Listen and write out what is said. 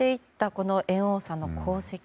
この猿翁さんの功績。